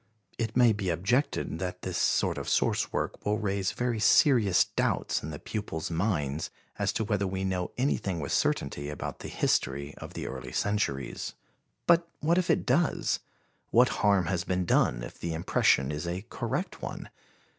It may be objected that this sort of source work will raise very serious doubts in the pupils' minds as to whether we know anything with certainty about the history of the early centuries. But what if it does? What harm has been done, if the impression is a correct one?